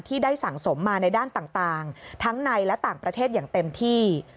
ได้สั่งสมมาในด้านต่างทั้งในและต่างประเทศอย่างเต็มที่